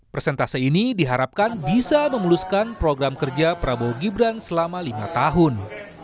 persentase ini diharapkan bisa memuluskan program kerja prabowo gibran selama lima tahun